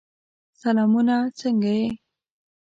سلامونه! څنګه یې؟